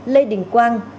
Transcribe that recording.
lê đình quang